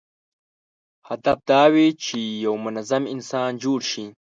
هدف دا و چې یو منظم انسان جوړ شي.